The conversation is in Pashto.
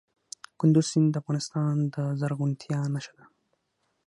کندز سیند د افغانستان د زرغونتیا نښه ده.